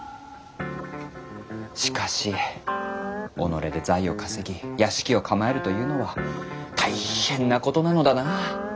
しかし己で財を稼ぎ屋敷を構えるというのは大変なことなのだな。